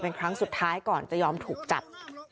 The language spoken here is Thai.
เป็นครั้งสุดท้ายก่อนจะยอมถูกจับ